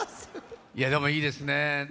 でも、いいですね。